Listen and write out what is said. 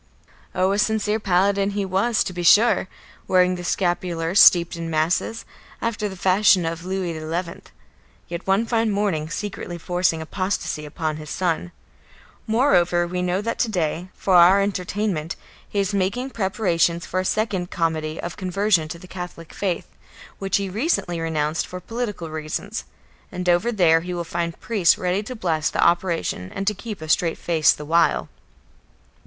Oh, a sincere paladin he was, to be sure, wearing the scapular, steeped in Masses, after the fashion of Louis XI., yet one fine morning secretly forcing apostasy upon his son. Moreover we know that to day, for our entertainment, he is making preparations for a second comedy of conversion to the Catholic faith, which he recently renounced for political reasons, and over there he will find priests ready to bless the operation and to keep a straight face the while.